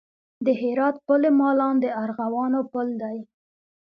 د هرات پل مالان د ارغوانو پل دی